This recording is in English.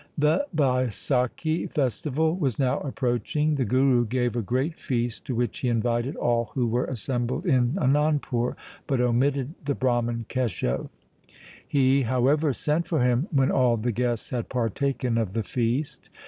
1 The Baisakhi festival was now approaching. The Guru gave a great feast to which he invited all who were assembled in Anandpur, but omitted the Brahman Kesho. He, however, sent for him when all the guests had partaken of the feast.